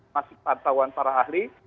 masih pantauan para ahli